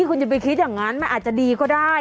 คุณจะไปคิดอย่างนั้นมันอาจจะดีก็ได้